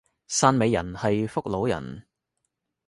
汕尾人係福佬人